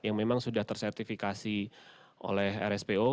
yang memang sudah tersertifikasi oleh rspo